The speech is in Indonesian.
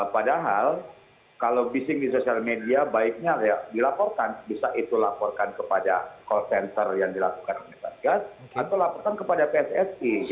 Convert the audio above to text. padahal kalau bising di sosial media baiknya dilaporkan bisa itu laporkan kepada call center yang dilakukan oleh satgas atau laporkan kepada pssi